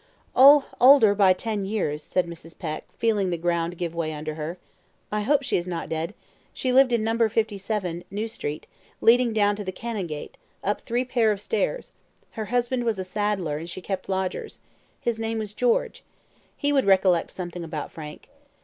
"Oh, older by ten years," said Mrs. Peck, feeling the ground give way under her. "I hope she is not dead she lived in 57, New Street, leading down to the Canongate, up three pair of stairs; her husband was a saddler, and she kept lodgers. His name was George. He would recollect something about Frank.